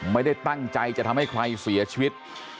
ไม่ได้ตั้งใจจะทำให้ใครเสียชีวิต